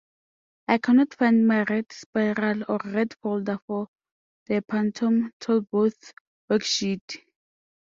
I cannot find my red spiral or red folder for the Phantom Tollbooth worksheet.